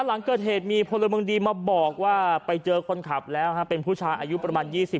หลังเกิดเหตุมีพลเมืองดีมาบอกว่าไปเจอคนขับแล้วเป็นผู้ชายอายุประมาณ๒๐